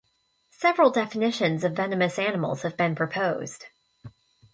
Several definitions of venomous animals have been proposed.